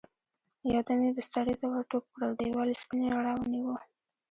يو دم يې بسترې ته ور ټوپ کړل، دېوال سپينې رڼا ونيو.